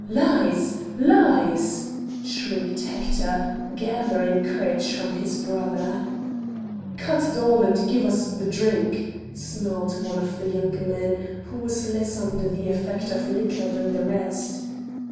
"Lies! lies!" shrieked Hector, gathering courage from his brother. "Cut it all and give us the drink!" snarled one of the younger men, who was less under the effect of liquor than the rest.